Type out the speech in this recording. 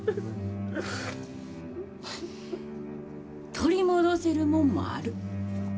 取り戻せるもんもある。